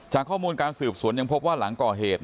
ข้อมูลการสืบสวนยังพบว่าหลังก่อเหตุ